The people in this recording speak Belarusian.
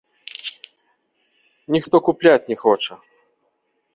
Ніхто купляць не хоча.